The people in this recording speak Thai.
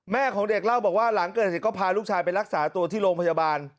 ของเด็กเล่าบอกว่าหลังเกิดเหตุก็พาลูกชายไปรักษาตัวที่โรงพยาบาล